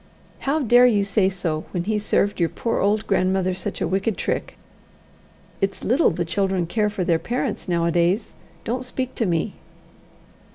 "How dare you say so, when he served your poor old grandmother such a wicked trick? It's little the children care for their parents nowadays. Don't speak to me."